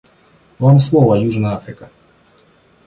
Вам слово, Южная Африка.